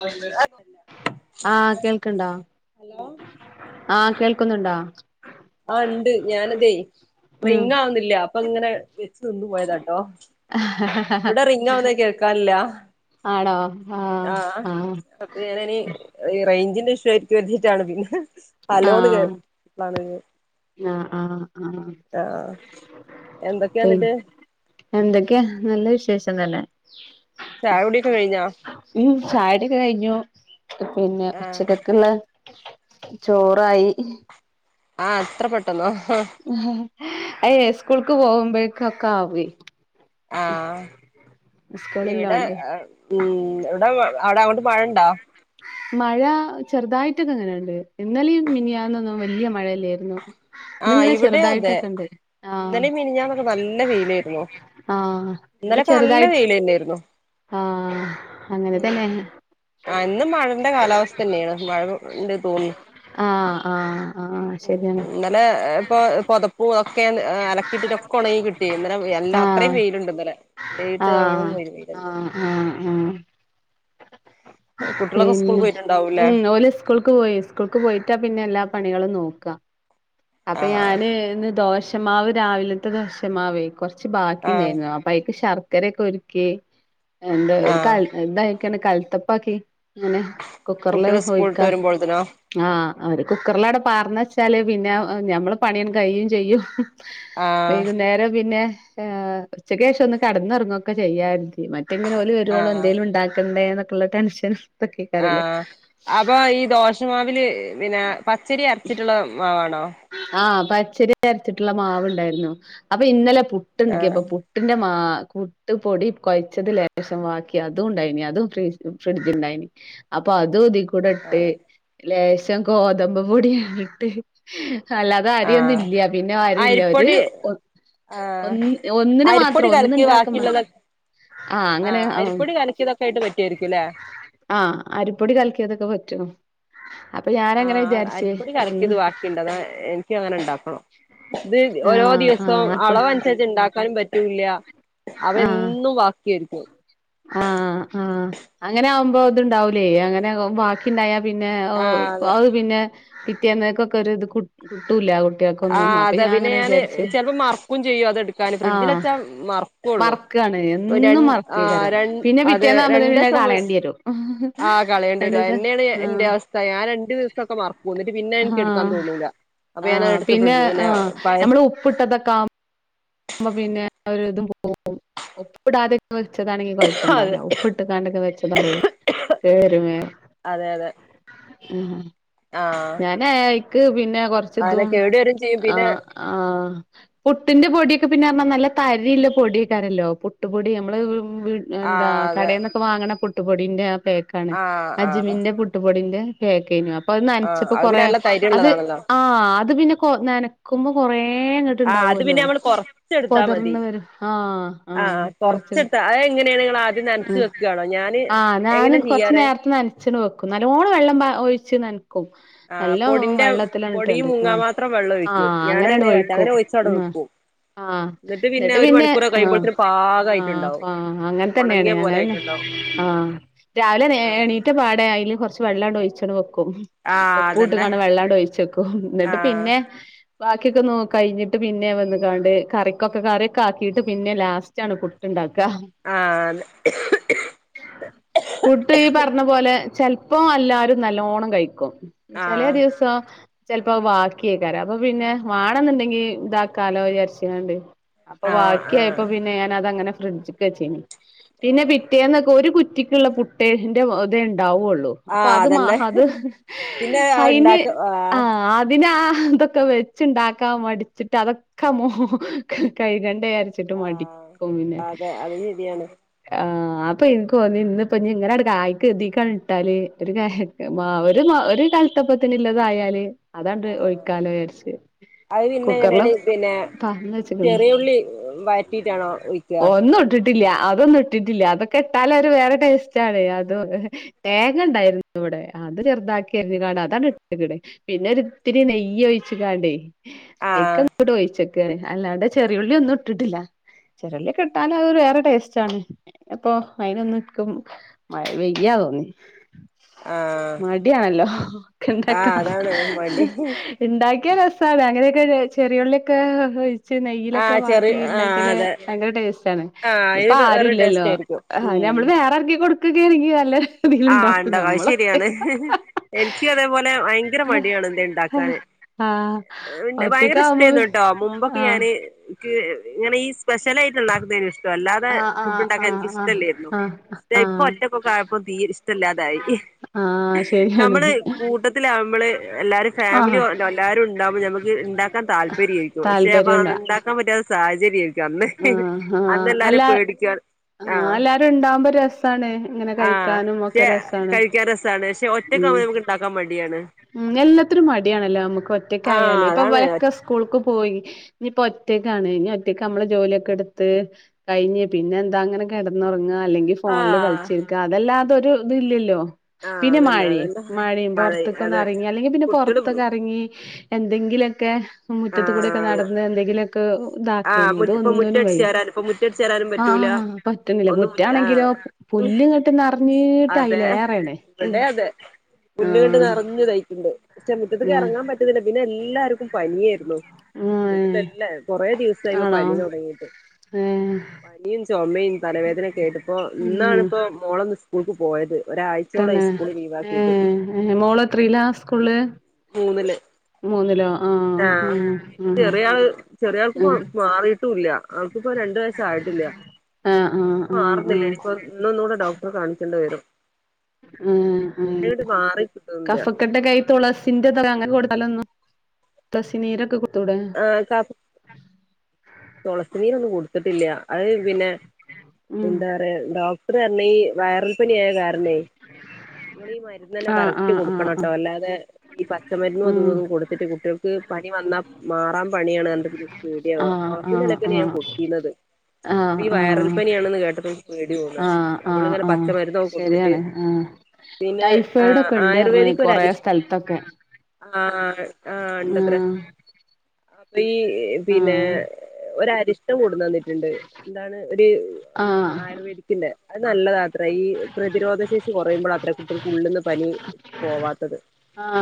അ [inaudible] ആഹ് കേൾക്ക്ണ്ടാ ആഹ് കേൾക്കുന്ന്ണ്ടാ ആഹ് ഉണ്ട് ഞാനതെ ഉം റിങ്ങ് ആവ്ന്നില്ല. അപ്പങ്ങനെ വെച്ച് നിന്ന് പോയതാട്ടോ ഇവിടെ റിങ്ങാവ്ന്നത് കേൾക്കാനി ല്ലാ ആണോ ആഹ് ആഹ് വേറിനി ഈ റൈഞ്ചിന്റെ ഇഷു ആയിക്കര്തീട്ടാണ് പിന്നെ ഹലോന്ന് ആഹ് കേട്ട് പ്പളാണ് ആഹ് ആഹ് ആഹ് ആഹ് എന്തൊക്കെയാന്നിട്ട് എന്തേക്ക്യേ നല്ല വിശേഷം തന്നെ ചായ കുടിയൊക്കെ കഴിഞ്ഞാ ഉം ചായുട്യോക്കെ കഴിഞ്ഞു പിന്നെ ആഹ് ഉച്ചകക്ക്ള്ളെ ചോറായി ആഹ് ഇത്ര പെട്ടെന്നോ അത് ലെ സ്കൂൾക്ക് പോവുമ്പഴേക്കൊക്കാവെ ആഹ് ഇവിടെ സ്കൂളില്ലോണ്ട് ഉം ഇവിടെ അവിടെ അങ്ങോട്ട് മഴണ്ടോ മഴ ചെറ്തായിട്ടൊക്കെ ഇങ്ങനെണ്ട് ഇന്നെലിം മിനിയാന്നൊന്നും വല്ല്യ മഴ ഇല്ലായിരുന്നു ഇന്ന് ആഹ് ഇങ്ങനെ ഇവിടെ അതെ ചെറ്തായിട്ടൊക്കെണ്ട് ആഹ് ഇന്നലെ മിനിഞ്ഞാന്നൊക്കെ നല്ല വെയിലായിരുന്നു ആഹ് ഇത് ഇന്നലൊക്കെ നല്ല ചെറുതായി വെയിലന്നെയായിരുന്നു ആഹ് അങ്ങനെ തന്നെ ആഹ് ഇന്ന് മഴന്റെ കാലാവസ്ഥന്ന്യാണ് മഴ ഇണ്ട്ന്ന് തോന്ന് ആഹ് ആഹ് അത് ശെര്യാണ് ഇന്നലെ ഇപ്പൊ പൊതപ്പും ഒക്കെ ഏ അലക്കിയിട്ടിട്ടൊക്കെ ഒണങ്ങി കിട്ടീനി ഇന്നലെ എല്ല അത്രേ ആഹ് വെയില്ണ്ട് ഇന്നലെ ആഹ് [unintelligible] ആഹ് ആഹ് കുട്ടികളൊക്കെ സ്കൂൾ പിന്നെ പോയിട്ടുണ്ടാവൂലേ ഉം ഓല് സ്കൂൾക്ക് പോയിട്ട പിന്നെ സ്കൂൾക്ക് പോയിട്ട പിന്നെ എല്ലാ പണികളും നോക്കാ അപ്പൊ ആ ഞാന് ഇന്ന് ദോശമാവ് രാവിലത്തെ ദോശമാവേ കൊറച്ച് ആ ബാക്കിണ്ടായിരുന്ന പ്പയിക്ക് ശർക്കരയൊക്കെ ഉര്ക്കി എന്താ ആ ഒരു കൽ എന്തയിക്കാണ്ട് കൽത്തപ്പാക്കി ഇങ്ങനെ കുക്കറില് കുട്ടികൾ ഒഴിക്ക [unintelligible] ആഹ് അത് കുക്കറിലാണ്ട് പാർന്നെച്ചാല് പിന്നെ ഞമ്മളെ പണിയാണ്ട് കയ്യും ചെയ്യും ആ വൈകുന്നേരം പിന്നെ ഏ ഉച്ചക്കേഷം ഒന്ന് കെടന്നൊറങ്ങൊക്കെ ചെയ്യാര്ത് മറ്റെങ്ങനെ ഓല് ആ വെരോളം എന്തേലും ഇണ്ടാക്കണ്ടേ എന്നൊക്കെള്ള ടെൻഷൻ ഇതൊക്കെക്കാരല്ലോ ആഹ് അപ്പൊ ഈ ദോശമാവില് പിന്നെ പച്ചരി അരച്ചിട്ട്ള്ള മാവാണോ ആഹ് പച്ചരി അരച്ചിട്ട്ള്ള മാവ്ണ്ടായിരുന്നു അപ്പൊ ഇന്നലെ ആ പുട്ട്ണ്ടാക്കിപ്പം പു പുട്ടിന്റെ മാ പുട്ട് പൊടി കൊഴച്ചത് ലേസം ബാക്കി അതുണ്ടായിന് അതും ഫ്രീ ഫ്രിഡ്ജ്‌ണ്ടായിനി അപ്പതും ഇതീ ക്കൂടെ ആ ഇട്ട് ലേശം ഗോതമ്പ് പൊടിം ഇട്ട് അല്ലാ തെ ആ അരിയൊന്നും ഇല്ല പിന്നെ അരി ഇല്ല ഒര് ആഹ് അരിപ്പൊടി കലക്കി ഒന്നുണ്ടാക്കാൻ ബാക്കിള്ളതൊ മാത്രം ആഹ് അരിപ്പൊടി കലക്കിയതൊക്കെ ആയിട്ട് പറ്റായിരിക്കുലേ ആഹ് അരിപ്പൊടി കലക്കിയതൊക്കെ പറ്റും അപ്പൊ ഞാനങ്ങനെ ആഹ് വിചാരിച്ച് അരിപ്പൊടി ഒന്ന് കലക്കിയത് ബാക്കിണ്ട് അതാ എൻ അങ്ങനെ ഇണ്ടാക്കണം ഇത് ഓരോ ആഹ് ദിവസം ആഹ് അപ്പൊ അളവ് അനുസരിച്ച് ഇണ്ടാക്കാനും പറ്റുംല്ല. അവ ആഹ് എന്നും ബാക്ക്യായിരിക്കും ആഹ് ആഹ് അങ്ങനാവുമ്പം ഇത്ണ്ടാവൂലേ അങ്ങനെ ബാ ക്കിണ്ടായ പിന്നെ ആഹ് അതെ അത് പിന്നെ പിറ്റേന്നക്കൊക്കെ ഒരിത് കി കിട്ടൂല ആഹ് അതാ പിന്നെ ഞാന് ചെലപ്പം മറ്ക്കും ചെയ്യും അതെട്ക്കാന് ആഹ് ഫ്രിഡ്ജില്ച്ചാ മറ ക്കൊള്ളൂ മറക്കാണ് ഒര് ര എന്നും ആഹ് മറക്കേക്കാരം രൺ പിന്നെ അത് പിറ്റേന്നാവുമ്പോത്തിന് പിന്നെ രണ്ട്സം വി കളയേണ്ടി വരും ആഹ് കളയേണ്ട്യരും രണ്ടീസം അതെന്ന്യാണ് ആഹ് ഇന്റെ അവസ്ഥ ഞാന് രണ്ട് ദിവസൊക്കെ മറക്കും എന്നിട്ട് പിന്നെ അതെനിക്ക് എട്ക്കാ ആഹ് തോന്നൂല അപ്പൊ ആഹ് ഞാനതെട് പിന്നെ ആഹ് നമ്മള് ഉപ്പിട്ടട്ടൊക്കെ കാ ക്കാവുമ്പോ പിന്നെ ആ ഒരിതും പോകും [unintelligible] ഉപ്പിടാതൊക്കെ വെച്ചതാണെങ്കി അതെ കൊഴപ്പണ്ടാവൂല ഉപ്പ് ഇട്ട്ക്കാണ്ടോക്കെ വെച്ചതാവുമ്പഴേ കേടരും വേം അതെ അതെ ഉം ആഹ് പിന്നെ അയ്ക്ക് പിന്നെ കൊറച്ച് അങ്ങനെ ഇതും കേടു വരും ചെയ്യും പിന്നെ ആഹ് ആഹ് പുട്ടിന്റെ പൊടി ത് പിന്നെർഞ്ഞ നല്ല തരിളള പൊടിക്കാരല്ലോ പുട്ടുപൊടി നമ്മള് എന്താ ആഹ് അതെ കടേന്ന് വാങ്ങ്ണ പുട്ടുപൊടിന്റെ ആഹ് പേക്കാണ് ആഹ് ആഹ് അജ്മിന്റെ പുട് പുട്ട്പൊടിന്റെ പേക്കയ്നി അപ്പ അത് ആഹ് നനച്ചപ്പോ അത് പിന്നെ കൊറേ നല്ല അത് തൈരുള്ളതാണല്ലോ ആഹ് അത് പിന്നെ കൊ നനക്കുമ്പോ കൊറേ ങ്ങ ആഹ് അത് പിന്നെ നമ്മള് പൊറ ച്ചെടുത്താ മതി വരും ആഹ് ആഹ് കൊറച്ച് കൊറച്ചെടുത്ത അത് എങ്ങനെയാണ് നിങ്ങൾ ആദ്യം നനച്ച് വെ ക്കാണോ ഞാന് എങ്ങനെ ചെയ്യാറ് ച്ച ണ്ട് വെക്കും നല്ലോണം വെള്ളം പാ ഒഴിച്ച് ന ക്കു ആഹ് നല്ല പൊടിന്റെ പൊടി വെള്ളത്തിലണ്ട്ട്ടാണ്ട് മുങ്ങാൻ ആഹ് ആഹ് അങ്ങനെയാണ് ഒഴിക്കും ച്ചടെ ഉം വെക്കും ആഹ് എന്നിട്ട് ന്നിട്ട് ഒരു പിന്നെ മണിക്കൂറൊക്കെ ആഹ് കഴിയുമ്പോഴത്തിന് പാകായിട്ടുണ്ടാവും ആഹ് അങ്ങനൻ ഉണങ്ങിയ തന്നെണ് പോലെ അങ്ങനെന്നെ ആയിട്ടുണ്ടാവും ആഹ് രാവിലെ ആഹ് എണീറ്റ പാടെ അയില് കൊറച്ച് വെള്ളംണ്ട് ഒഴിച്ചണ്ട് വെക്കും ആഹ് അതന്നെ ഉപ്പൂട്ട്ക്കാണ്ട് വെള്ളാണ്ട് ഒഴിച്ചെക്കും ന്നിട്ട് ആഹ് പിന്നെ ബാക്കിയൊക്കെ നോ കഴിഞ്ഞിട്ട് പിന്നെ വന്നികാണ്ട് കറിക്കൊക്കെ കറിയൊക്കെ ആക്കിട്ട് പിന്നെ ലാസ്റ്റണ് പുട്ട്ണ്ടാക്ക ആഹ് അതെ പുട്ട് ഈ പറഞ്ഞ പോലെ ചെലപ്പോ എല്ലാരും നല്ലോണം കഴിക്കും ചെലേ ആഹ് ദിവസം ചെപ്പോ ബാക്കിയേക്കാര അപ്പൊ പിന്നെ വാണന്നുണ്ടെങ്കി ഇതാക്കാലോ വിചാരിച്ച്ക്കാണ്ട് അപ്പൊ ആഹ് ബാക്കിയായപ്പോ ആഹ് പിന്നെ ഞാനതങ്ങനെ ഫ്രിഡ്ജ്ക്ക് വെച്ചീനി പിന്നെ ആഹ് പിറ്റേന്നൊക്കെ ഒരു കു റ്റിക്ക്ള്ള പുട്ടേ ന്റെ തേ ഇണ്ടാവൊള്ളൂ അപ്പൊ ആഹ് അത് മാ അതന്നെ അത് പിന്നെ അയിന് ഉണ്ടാക്ക ആഹ് അത് അതിനാ ഇതൊക്കെ വെച്ചുണ്ടാക്കാൻ മടിച്ചിട്ട് അതൊക്കെ മോ കൈകണ്ട വിചരിച്ചിട്ട് ആഹ് മടിക്കും പിന്നെ അതെ അത് ശരിയാണ് ആഹ് അപ്പൊ ഇൻക്ക് തോന്നി ഇന്ന് പ്പൊ ഞ്ഞ് ഇങ്ങനെടെ കായ്ക്ക് എതിക്കാണ്ട് ഇട്ടാല് ഒരു കാ മാ ര് മാ ഒരു കൽത്തപ്പത്തിന്ള്ളതായാല് അതാണ്ട് ആഹ് ഒഴിക്കാലോ ചാരിച്ച് അത് പിന്നെ കുക്കറില് എങ്ങനെയാണ് പിന്നെ പാർന്ന് വെച്ച്ക്ക്ണ് ചെറിയ ഉള്ളി വയറ്റിട്ടാണോ ഒഴിക്ക ന്നും ഇട്ടിട്ടില്ല അതൊന്നും ഇട്ടിട്ടില്ല അതൊക്കെ ഇട്ടാലൊര് വേറെ ടേസ്റ്റ് ആണ് അത് [unintelligible] തേങ്ങ ഇണ്ടായിരുന്നു ഇവിടെ അത് ചെറുതാക്കി അരിഞ്ഞ്കാണ്ട് അതാണ് ഇട്ട്ക്ക്ണ് പിന്നെ ഒരിത്തിരി നെയ്യ് ഒഴിച്ച്ക്കാണ്ടേ ആഹ് ആയിക്കങ്ങട്ട് ഒഴിച്ചക്കാണ് അല്ലാണ്ടെ ചെറിയുള്ളി ഒന്നും ഇട്ടിട്ടില്ല [unintelligible] ഇട്ടാല് അതൊരു വേറെ ടേസ്റ്റ് ആണ് അപ്പൊ അയിനൊന്നും ഇൻക് മഴ പെയ്യവോ ഞ് ആഹ് മടിയാണല്ലോ ഇണ്ടാക്കാ ആഹ് അതാണ് മടി ഇണ്ടാക്കിയ രസാണ് അങ്ങനെയൊക്കെ ചെറിയുള്ളിയൊക്കെ നെയ്യിലൊക്കെ ആഹ് ചെറിയ വാട്ടി ആഹ് ഇണ്ടക്കിയാല് അതെ ഭയങ്കര ടേസ്റ്റണ് ആഹ് ഇത് വേറൊരു പ്പരുല്ലല്ലോ ടേസ്റ്റ് ആയിരിക്കും ആഹ് ഉം നമ്മള് വേറെ ആർക്കെ കൊടുക്കക്കെ ആണങ്കി നല്ലെ ആഹ് ഇണ്ട അത് ശരിയാണ് എനിക്ക് അതേപോലെ ഭയങ്കര മടിയാണ് എന്തെ ഇണ്ടാക്കാന് ആഹ് ഒറ്റക്ക് ഭയങ്കര ആവുമ്പോ ഇഷ്ടേന്നു ട്ടോ മുമ്പൊക്കെ ആഹ് ഞാന് ൻക്ക് ഇങ്ങനെ ഈ സ്പെഷ്യലായിട്ട് ഇണ്ടാക്കുന്നതെയ്നു ഇഷ്ടോ അല്ലാ ആഹ് ഫുഡ് ആഹ് ഉണ്ടാക്കൻ എനിക്ക് ആഹ് ആഹ് ഇഷ്ടല്ലേര്ന്നു ആഹ് ഇപ്പൊ ആഹ് ഒറ്റക്കക്കെയപ്പോ തീരെ ത്ത്ല്ലാതായി ആഹ് ശരിയാണ് നമ്മള് കൂട്ടത്തിലാവുമ്പള് എല്ലാരും ഫാമിലി ആഹ് എല്ലാരും ഇണ്ടാവുമ്പോ ഞമ്മക്ക് ഇണ്ടാ ക്കാൻ താല്പര്യയായിരിക്കും പക്ഷേ താല്പര്യണ്ട [unintelligible] ഇണ്ടാക്കാൻ പറ്റാത്ത സാഹചര്യയിരി അന്ന് അന്ന് എല്ലാരിം പേടിക്കാൻ ആ ആഹ് അല്ലാരും ഇണ്ടാവുമ്പ രസാണ് ഇങ്ങനെ ആഹ് കഴിക്കാനും ഒ പക്ഷെ കഴിക്കാൻ രസാണ് പക്ഷെ ഒറ്റക്കാവുമ്പ നമുക്ക് ഇണ്ടാക്കാൻ മടിയാണ് ഉം എല്ലത്തിനും മടിയാണല്ലോ നമ്മക്ക് ഒറ്റക്ക് ആഹ് ആയാല് ഇപ്പൊ അതാണ് വലൊക്കെ സ്ക് സ്കൂൾക്ക് പോയി ഇഞ്ഞിപ്പോ ഒറ്റക്കാണ് ഇഞ് ഒറ്റക്ക് നമ്മളെ ജോലിയൊക്കെ ഇട്ത്ത് കഴിഞ് പിന്നെന്താ അങ്ങനെ കെടന്നുറങ്ങാ അല്ലെങ്കി ഫോൺല് ആഹ് കളിച്ചിരിക്ക അതല്ലാതൊരു ഇത് ല്ലല്ലോ ആഹ് പിന്നെ അതന്നെ മയിം അതന്നെ മയിം മഴ പൊർ ത്ത്ക്ക് ഒന്ന് അതെ എറങ്ങി അല്ലെങ്കി പിന്നെ കുട്ടികള് പൊർത്തൊക്കെ എറങ്ങി എന്തെങ്കിലോക്കെ മുറ്റത്ത് കൂടെ ഒക്കെ ആഹ് നടന്ന് എന്തെങ്കിലോക്കെ ആഹ് ഇതാക്കെനി ഇത് മുറ്റ ഇപ്പൊ ഒന്നിനും മുറ്റടിച്ച് വയ്യ വാരാനും ഇപ്പൊ മുറ്റടിച്ച് വാരാനും ആ പറ്റൂല പറ്റ്ണില്ല ഒന്നും മുറ്റാണെങ്കിലോ ആഹ് പുല്ല് ഇങ്ങട്ട് നെർഞ്ഞീട്ടയിലെറെണ് പുല്ല് ഇങ്ങട്ട് നേർഞ്തായ്ക്ക്ണ്ട് പക്ഷേ മുറ്റത്ത്ക്ക് ഞാ എർങ്ങാൻ പറ്റുന്നില്ല പിന്നെ എല്ലാർക്കും പനിയായിരുന്നു ഏഹ് വീട്ടിലല്ല കൊറെ ദിവസായിപ്പ ആണോ പനി തൊടങ്ങിട്ട് ഏഹ് പനിം ചോമിം തലവേദന ഒക്കായിട്ട് ഇപ്പോ ഉം ഇന്നാണ്പ്പോ മോള് ഒന്ന് സ്‌ സ്കൂൾക്ക് പോയത്, ഒരാഴ്ചയോളം സ്കൂള് ലീവ് ആക്കിയിട്ട്. മോള് എത്രയിലാ സ്കൂൾല് മൂന്നില്. മൂന്നിലോ ആ ആഹ് ആഹ് പിന്നെ ആഹ് ചെറിയ ആള് ചെറിയ ആൾക്ക് മാറിട്ടുല്ല. അവക്കിപ്പോ രണ്ടു വയസ്സ് ആയിട്ടില്ല. ആഹ് ആഹ് ആഹ് ആഹ് മാറുന്നില്ല ആഹ് എനിക്കൊ ഇന്നൊന്നു കൂടെ ഡോക്ടർ കാണിക്കേണ്ടി വരും. ഉം ഉം അങ്ങട്ട് മാറി കിട്ടുന്നില്ല കഫ ക്കട്ട കൈ തുളസിന്റെ ത അങ്ങനെ കൊടുത്താലൊന്നും തുളസി നീരൊക്കെ കൊടുത്തൂടെ ആ കഫ് തുളസി നീരൊന്നും കൊട്ത്തിട്ടില്ല അത് പിന്നെ ഉം എന്താ പറയാ ഡോക്ടർ പർഞ് വൈറൽ പനിയായ കാര്ണേ നിങ്ങള് ഈ മര്ന്നന്നെ ആഹ് കറക്റ്റ് ആഹ് ആഹ് കൊടുക്കണം ആഹ് ട്ടോ, അല്ലാതെ ഈ പച്ചമര്ന്നു അതു ഉം ഇതൊന്നും കൊടു ട്ട് കുട്ടിഴൾക്ക് പനി വന്നാ മാറാം പണിയാണ് [unintelligible] ഇൻക്ക് പേടിയാവ ആഹ് [unintelligible] ആഹ് ലെക്കെന്നെ ഞാൻ ആഹ് കൊടുത്തീന്നത്. ഇപ്പ ഈ ആഹ് വയറൽ ആഹ് പനിയാണന്ന് കേട്ടപ്പോ ഇൻക് പേടി തോന്ന ആഹ് ആഹ് നമ്മളിങ്ങനെ ആഹ് പച്ചമരുന്നൊക്കെ കൊടുത്തിട്ട് ശരിയാണ് ആഹ് പിന്നെ ആ ടൈഫോയിഡ് ഒക്കെ ഉണ്ട് പറഞ്ഞ് ആയുർവേദിക് കൊറേ ഒരരിഷ് സ്ഥലത്തൊക്കെ ആ ആ ഇണ്ടത്ര ആഹ് ഇപ്പ ഈ പിന്നെ ആഹ് ഒരരിഷ്ടം കൊട്ന്ന് തന്നിട്ട്ണ്ട്. എന്താണ് ഒര് ഉം ആഹ് ആയുർവേദി അത് നല്ലതാ അത്ര, ഈ പ്രതിരോധ ശേഷി കൊറയുമ്പളാത്ര കുട്ടിഴൾക്ക് ഉള്ളിന്ന് പനി പോവാത്തത്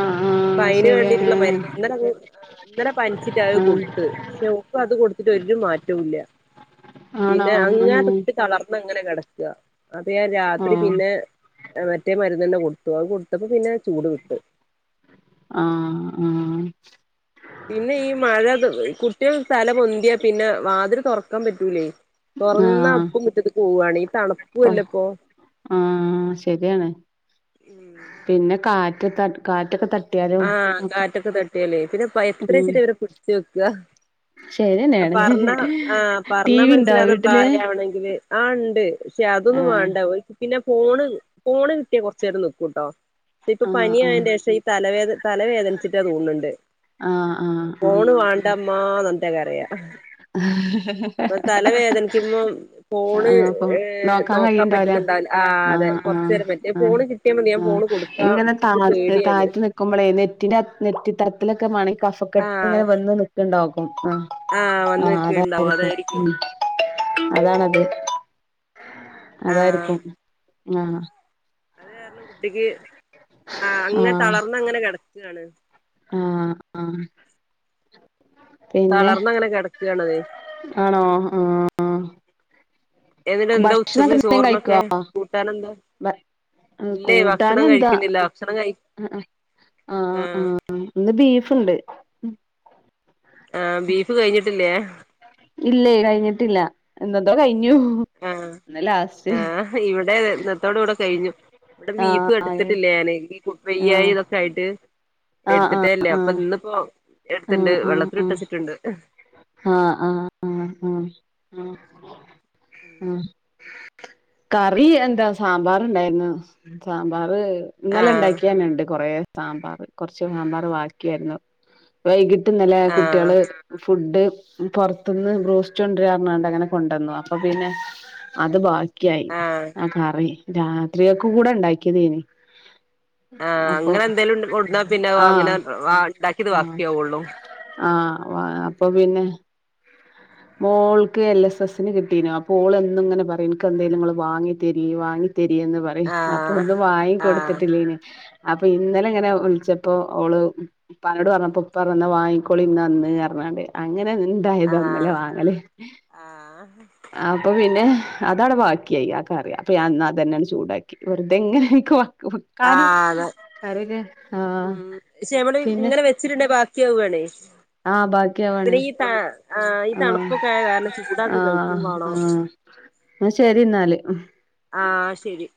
ആഹ് അപ്പ ആഹ് അയിന് ശരി വേണ്ടിട്ടുള്ള ഏഹ് മരുന്ന് ഇന്നല ആ ഇന്നലെ പൻച്ചിട്ട് അത് ആഹ് കൊട്ത്ത് പക്ഷെ പ്പ അത് കൊട്ത്തിട്ട് ഒരു മാറ്റുല്ല. ആണോ പിന്നെ അങ്ങാത്ത ഏഹ് കുട്ടി തളർന്ന അങ്ങനെ കെടക്ക അപ്പ ഞാൻ രാത്രി ഓഹ് പിന്നെ മറ്റേ മരുന്നന്നെ കൊട്ത്തു. അത് കൊട്ത്തപ്പ പിന്നെ ചൂട് വിട്ട്. ആ ആ പിന്നെ ഈ മഴ കുട്ടിഴള് തല പൊന്തിയാ പിന്നെ വാതില് തൊർക്കാം പറ്റൂലേ തൊർന്ന ആഹ് അപ്പം മുറ്റത്ത്ക്ക് പോവാണ് ഈ തണുപ്പു അല്ലേ ഇപ്പൊ ആ ശരിയാണ് പിന്നെ കാറ്റ് ത കാറ്റൊക്കെ ത ആ കാറ്റൊക്കെ തട്ടിയാലെ, പിന്നെ ഉം എത്രേച്ചിട്ട ഇവരെ പിട്ച്ചു വെക്ക അ ശരിന്നെയാണ് പർഞ്ഞാ ആ ടി പർഞ്ഞാ വി ഉണ്ടോ മൻസ്സിലാവ്ന്ന വീട്ടില് പ്രായാവണെങ്കില് ആ ഉണ്ട്. പക്ഷെ അതൊന്നും ആഹ് വേണ്ട, പിന്നെ ഫോണ് ഫോണ് കട്ടിയ കൊറച്ച് നേരം നിക്കൂട്ടോ. ഇപ്പൊ ആഹ് ആഹ് പനിയായന്റെ ശേഷം ഈ തലവേദ തലവേദനിച്ചിട്ടാ തോന്നുണ്ട് ആഹ് ആഹ് ഫോണ് വേണ്ടമ്മ എന്നട്ടാ കരയ ആഹ അപ്പൊ തലവേദനിക്കുമ്പോ?. ഫോണ് ആഹ് അപ്പൊ ഏ നോക്കാൻ കഴിയുണ്ടാവില്ല പറ്റുന്നുണ്ടാവില്ല. ആ അതെ ആഹ് കൊറച്ചു ആഹ് നേരം പറ്റു ആഹ് ഫോണ് കിട്ടിയതി ഞാൻ ഫോണ് കൊടുത്ത ക്കാൻ പേടിയാണ്. ക്കുമ്പോ ഖ നെറ്റിന്റെ നെറ്റിത്തടത്തിലൊക്കെ മാണെങ്കി കഫക്കെട്ട് ഇങ്ങനെ ആഹ് വന്ന് നിക്കുണ്ടാവും ആഹ് ആ വന്ന് അത നിക്ക്ണ്ടാവും ആയിരിക്കും അതായിരിക്കും അതാണ്ത്, ആഹ് അതാായിരിക്കും. ആഹ അത് കാരണം കുട്ടിക്ക് ആ അങ്ങനെ തളർന്ന് അങ്ങനെ കിടക്കുകയാണ്. ആഹ ആഹ പിന്നെ തളർന്ന് അങ്ങനെ കിടക്കാണതെ ആണോ ആ എന്നിട്ട് എന്താ ഉച്ചക്ക് ഭക്ഷണൊക്കെ എന്തേം ചോറിനൊക്കെ കഴിക്കോ കൂട്ടാനൊക്കെ എന്താ ഭ ഇല്ലേ ഭക്ഷണം കഴിക്കുന്നില്ല ഭക്ഷണം കഴ ആ ആ ഇന്ന് ബീഫുണ്ട്. ആ ബീഫ് കഴിഞ്ഞിട്ടില്ലേ?. ഇല്ല കഴിഞ്ഞിട്ടില്ല, ഇന്നത്തോടെ കഴിഞ്ഞു ആഹ് ഇന്നാ ലാസ്റ്റ്. ആഹ് ഇവിടെ ഇന്നത്തോടെ കൂടെ കഴിഞ്ഞു. ഇവിടെ ബീഫ് ആഹ് എടുത്തിട്ടില്ല ഞാന് വെയ്യായി ആഹ് ഇതൊക്കെ ആയിട്ട് ആഹ് എടുത്തിട്ടേല്ല അപ്പൊ ആഹ് ഇന്നിപ്പോ എടുത്തിണ്ട് ആഹ് ആഹ് വെള്ളത്തിൽ ആഹ് ഇട്ടച്ചിട്ടുണ്ട് ആഹ് ആഹ് ആഹ് ആഹ് ഉം കറി എന്താ സാമ്പാർ ഇണ്ടായിരുന്നു സാമ്പാർ ഇന്നലെ ആഹ് ഉണ്ടാക്കിയാനുണ്ട് കൊറേ സാമ്പാർ കുറച്ച സാമ്പാർ വാക്കിയായിരുന്നു വൈകിട്ട് ഇന്നലെ ആഹ് കുട്ടികള് ഫുഡ് പുറത്തുന്ന് ബ്രൂസ്റ്റ് കൊണ്ടിരഞ്ഞണ്ട് അങ്ങനെ കൊണ്ടുവന്നു അപ്പൊ പിന്നെ അത് ബാക്കിയായി ആഹ് ആ കറി രാത്രിയൊക്കെ കൂടെ ഉണ്ടാക്കിയതേനി ആഹ് അപ്പൊ അങ്ങനെ എന്തേലും കൊടുന്നാ പിന്നെ അങ്ങനെ ആഹ് ആഹ് ഉണ്ടാക്കിയത് ആഹ് ബാക്കിയാവുള്ളൂ ആഹ് അപ്പൊ പിന്നെ മോൾക്ക് എൽ എസ് എസ്സിന് കിട്ടീന അപ്പോൾ എ എന്നിങ്ങനെ പറയും എനക്ക് എന്തേലും നിങ്ങൾ വാങ്ങി തരി വാങ്ങി തെരിയന്ന് പറയും അപ്പൊ ആഹ് ഒന്നും വാങ്ങിക്ക ആഹ് കൊടുത്തിട്ടില്ലീന അപ്പൊ ഇന്നലെ ഇങ്ങനെ വിളിച്ചപ്പോ അവഓള് ഉപ്പാനോട് പറഞ്ഞപ്പ ഇപ്പ പറഞ്ഞു വാങ്ങിക്കോളി ഇന്ന് അന്ന് പറഞ്ഞാണ്ട് അങ്ങനെ ഇതായത് അങ്ങല്ലെ ആഹ് വാങ്ങല് ആഹ് അപ്പൊ പിന്നെ അതാണ് ബാക്കിയായി ആഹ് കറിയാം അപ്പ ഞാ അത് തന്നെയാണ് ചൂടാക്കി വെറുതെ ഇങ്ങനെയൊക്കെ കാനു ആഹ് അതെ കറിയൊക്കെ ആഹ് പിന്നെ കവ ഗണേ [unintelligible] ആഹ് ബാക്കിയാവാണ് പിന്നെ ഈ ത ആ ഈ ആഹ് തണുപ്പൊക്കെ ആയ കാരണം ചൂടാക്കി കഴിക്കും വാണം ന്നാ ശരി ഇന്നാല് ആഹ് ശരി